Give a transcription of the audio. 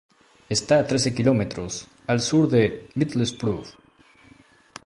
Está a trece kilómetros al sur de Middlesbrough.